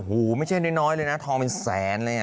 โอ้โหไม่ใช่น้อยเลยนะทองเป็นแสนเลย